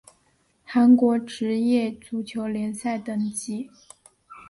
韩国职业足球联赛等级